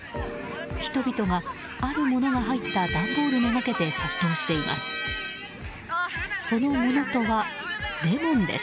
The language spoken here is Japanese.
人々があるものが入った段ボールに向けて殺到しています。